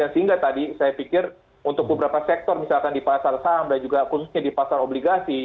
sehingga tadi saya pikir untuk beberapa sektor misalkan di pasar saham dan juga khususnya di pasar obligasi